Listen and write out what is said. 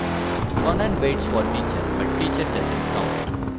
Conan waits for Teacher, but Teacher doesn't come.